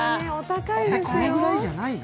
これぐらいじゃないの？